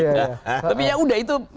kan pak jokowi tidak dapet